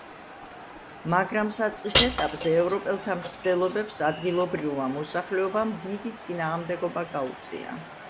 მაგრამ საწყის ეტაპზე ევროპელთა მცდელობებს ადგილობრივმა მოსახლეობამ დიდი წინააღმდეგობა გაუწია.